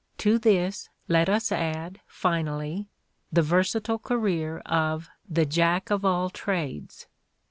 To this let us add, finally, the versatile career of the jack of all trades.